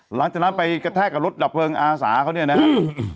หลังจากนั้นไปกระแทกกับรถดับเพลิงอาสาเขาเนี่ยนะครับ